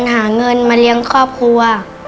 หาเงินมาเลี้ยงครอบครัว